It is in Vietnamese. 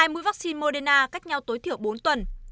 hai mươi vaccine moderna cách nhau tối thiểu bốn tuần